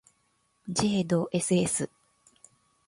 ｊ ど ｓｓ